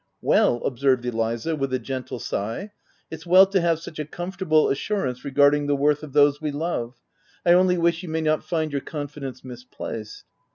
" Well !" observed Eliza, with a gentle sigh — u It's well to have such a comfortable assur OF WILDFELL HALL. 153 ance regarding the worth of those we love. — I only wish you may not find your confidence misplaced."